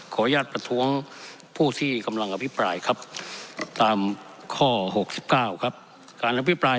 ขออนุญาตกับท่านพ่องบัตรฐานนิตุสิบห้ารี่ครับ